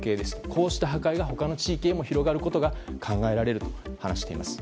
こうした破壊が他の地域へも広がることが考えられると話しています。